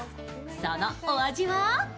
そのお味は？